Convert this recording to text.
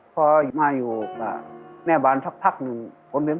พ่อมาอยู่แม่บ้านทักพักหนึ่ง